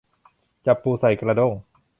จับปูใส่กระด้ง